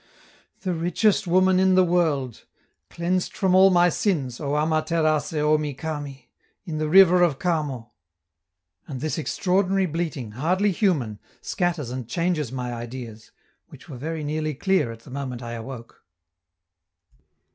"... The richest woman in the world! Cleansed from all my sins, O Ama Terace Omi Kami! in the river of Kamo." And this extraordinary bleating, hardly human, scatters and changes my ideas, which were very nearly clear at the moment I awoke.